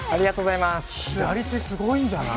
左手すごいんじゃない？